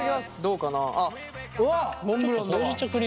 うわっモンブランだわ。